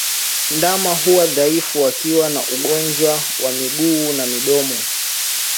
Ndama huwa dhaifu wakiwa na ugonjwa wa miguu na midomo